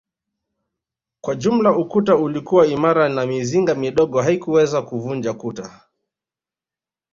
Kwa jumla ukuta ulikuwa imara na mizinga midogo haikuweza kuvunja kuta